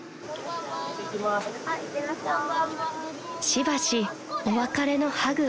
［しばしお別れのハグ］